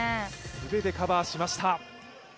全てカバーしました。